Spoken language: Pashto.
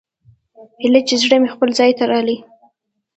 ايله چې زړه مې خپل ځاى ته راغى.